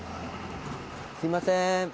すいません。